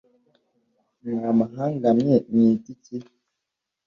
mwa mahanga mwe mwiyita iki